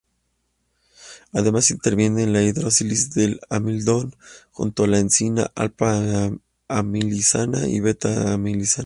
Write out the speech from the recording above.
Además interviene en la hidrólisis del almidón junto a la enzima alpha-amilasa y beta-amilasa.